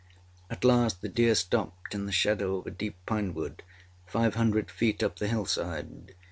At last the deer stopped in the shadow of a deep pinewood, five hundred feet up the hillside.